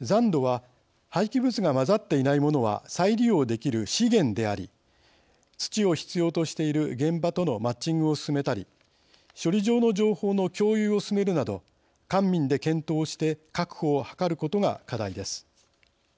残土は廃棄物が混ざっていないものは再利用できる資源であり土を必要としている現場とのマッチングを進めたり処理場の情報の共有を進めるなど官民で検討して確保を図ることが課題です。